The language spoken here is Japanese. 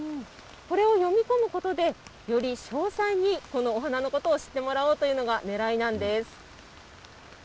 これを読み込むことで、より詳細に、このお花のことを知ってもらおうというのがねらいなんです。